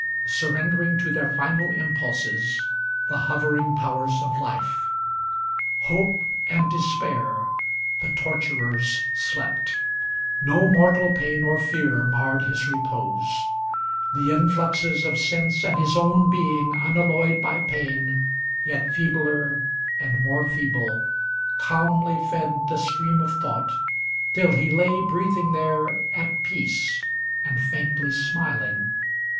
Surrendering to their final impulses The hovering powers of life. Hope and Despair, The torturers, slept; no mortal pain or fear 640 Marred his repose; the influxes of sense And his own being, unalloyed by pain, Yet feebler and more feeble, calmly fed The stream of thought, till he lay breath ing there At peace, and faintly smiling.